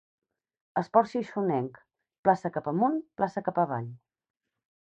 Esport xixonenc: plaça cap amunt, plaça cap avall.